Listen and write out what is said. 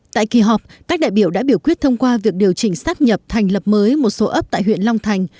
tại kỳ họp các đại biểu đã biểu quyết thông qua việc điều chỉnh xác nhập thành lập mới một số ấp tại huyện long thành